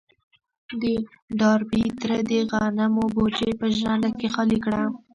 د ډاربي تره د غنمو بوجۍ په ژرنده کې خالي کړه.